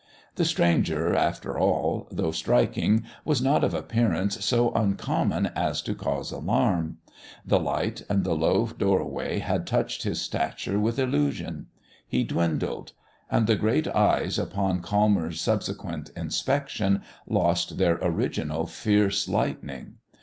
The stranger, after all, though striking, was not of appearance so uncommon as to cause alarm; the light and the low doorway had touched his stature with illusion. He dwindled. And the great eyes, upon calmer subsequent inspection, lost their original fierce lightning.